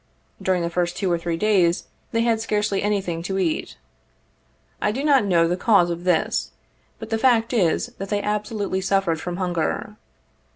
During the first two or three days they had scarcely anything to eat. I do not know the cause of this, but the fact is, that they ab solutely suffered from hunger.